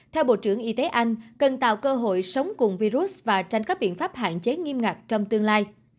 theo bộ trưởng y tế anh cần tạo cơ hội sống cùng virus và tranh các biện pháp hạn chế nghiêm ngặt trong tương lai